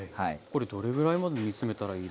これどれぐらいまで煮詰めたらいいですか？